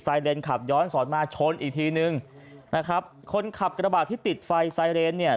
เลนขับย้อนสอนมาชนอีกทีนึงนะครับคนขับกระบาดที่ติดไฟไซเรนเนี่ย